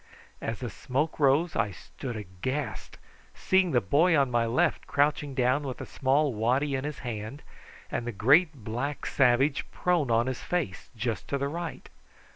As the smoke rose I stood aghast, seeing the boy on my left crouching down with a small waddy in his hand and the great black savage prone on his face just to my right.